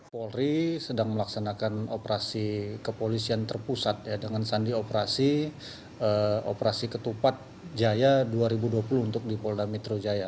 polri sedang melaksanakan operasi kepolisian terpusat dengan sandi operasi ketupat jaya dua ribu dua puluh untuk di polda metro jaya